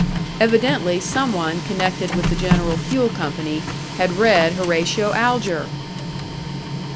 Evidently some one connected with the General Fuel Company had read Horatio Alger!